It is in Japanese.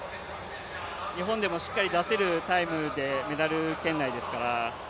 日本でもしっかり出せるタイムでメダル圏内ですから。